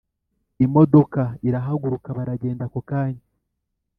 imodoka irahaguruka baragenda ako akanya